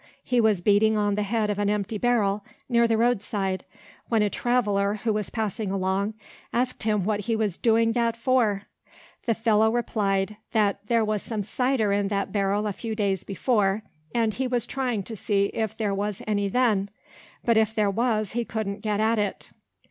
He was beating on the head of an empty barrel near the road side, when a traveler, who was passing along, asked him what he was doing that for? The fellow replied, that there was some cider in that barrel a few days before, and he was trying to see if there was any then, but if there was he couldn't get at it.